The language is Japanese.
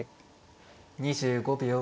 ２５秒。